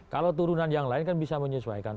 kalau turunan yang lain kan bisa menyesuaikan